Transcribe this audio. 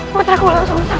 putraku walang sungsang